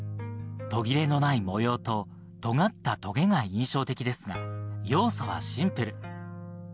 途切れのない模様ととがったトゲが印象的ですが、要素はシンプル。